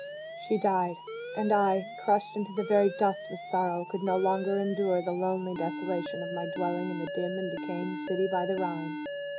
_" She died: and I, crushed into the very dust with sorrow, could no longer endure the lonely desolation of my dwelling in the dim and decaying city by the Rhine.